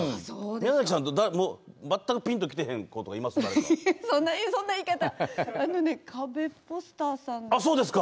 宮崎さん、全くぴんと来てへん子とかいますか、誰か。